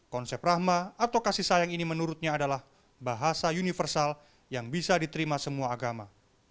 konsep rahma atau kasih sayang ini menurutnya adalah bahasa universal yang bisa diterima semua agama